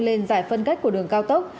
lên dải phân cách của đường cao tốc